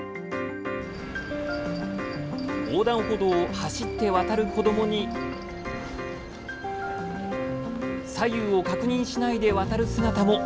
横断歩道を走って渡る子どもに左右を確認しないで渡る姿も。